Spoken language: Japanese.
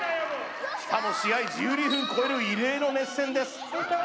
しかも試合１２分超える異例の熱戦です